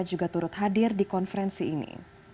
juga turut hadir di konferensi ini